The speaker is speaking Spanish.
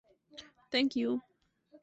Thank you.